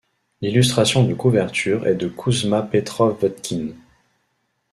L'illustration de couverture est de Kouzma Petrov-Vodkine.